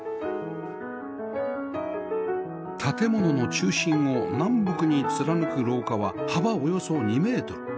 建物の中心を南北に貫く廊下は幅およそ２メートル